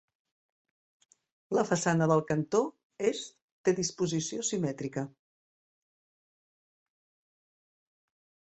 La façana del cantó est té disposició simètrica.